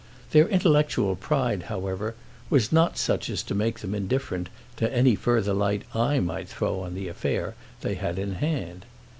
Their intellectual pride, however, was not such as to make them indifferent to any further light I might throw on the affair they had in hand.